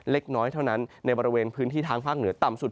เล็กน้อยเท่านั้นในบริเวณพื้นที่ทางภาคเหนือต่ำสุด